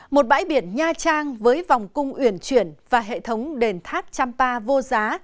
một bãi biển nha trang với vòng cung uyển chuyển và hệ thống đền tháp champa vô giá